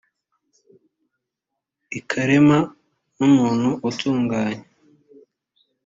ikarema n umuntu atunganye